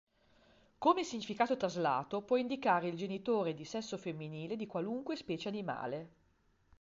Come significato traslato può indicare il genitore di sesso femminile di qualunque specie animale.